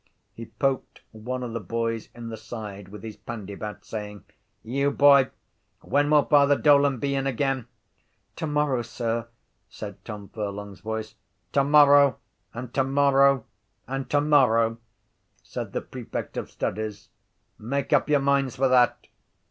He poked one of the boys in the side with his pandybat, saying: —You, boy! When will Father Dolan be in again? —Tomorrow, sir, said Tom Furlong’s voice. —Tomorrow and tomorrow and tomorrow, said the prefect of studies. Make up your minds for that.